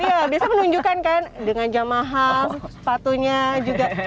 ya biasa menunjukkan kan dengan jam mahal sepatunya juga